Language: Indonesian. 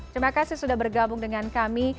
terima kasih sudah bergabung dengan kami